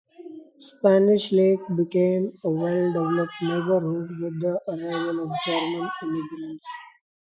Spanish Lake became a well-developed neighborhood with the arrival of German immigrants.